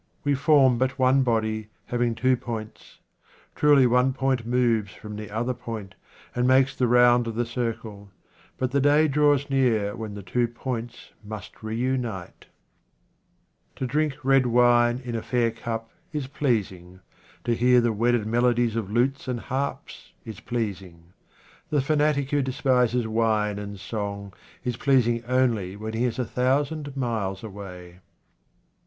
We form but one body, having two points. Truly, one point moves from the other point, and makes the round of the circle ; but the day draws near when the two points must reunite. 75 QUATRAINS OF OMAR KHAYYAM To drink red wine in a fair cup is pleasing. To hear the wedded melodies of lutes and harps is pleasing. The fanatic who despises wine and song is pleasing only when he is a thou sand miles away.